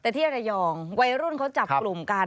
แต่ที่ระยองวัยรุ่นเขาจับกลุ่มกัน